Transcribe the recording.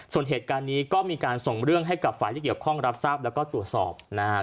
ส่วนเหตุการณ์นี้ก็มีการส่งเรื่องไฟล์ให้ฝ่ายเกี่ยวข้องรับทราบแล้วตรวจสอบ